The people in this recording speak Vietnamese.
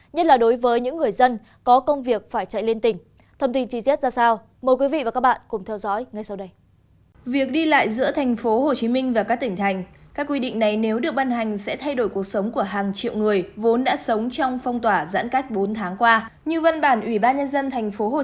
nhất là đối với những người dân có công việc phải chạy lên tỉnh